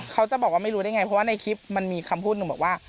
เขาจะบอกว่าไม่รู้ได้ไงเพราะว่าในคลิปมันมีคำพูดหนึ่งบอกว่า